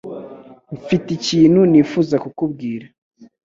Mfite ikintu nifuza kukubwira